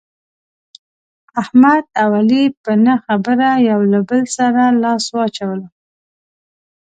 احمد او علي په نه خبره یو له بل سره لاس واچولو.